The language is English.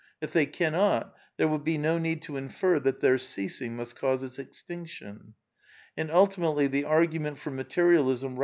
If they cannot, there will ^ be no need to infer that their ceasins^ must cause its extino tion. And ultimatd ^e arpunenf for matmali Hm re.